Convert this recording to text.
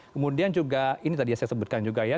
kemudian juga ini tadi yang saya sebutkan juga ya